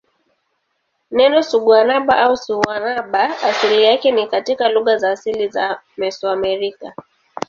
Neno siguanaba au sihuanaba asili yake ni katika lugha za asili za Mesoamerica.